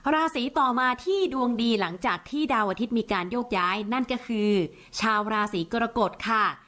ราศีต่อมาที่ดวงดีหลังจากที่ดาวอาทิตย์มีการโยกย้ายนั่นก็คือชาวราศีกรกฎค่ะ